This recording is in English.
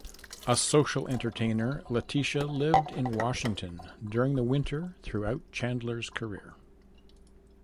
A social entertainer, Letitia lived in Washington during the Winter throughout Chandler's career.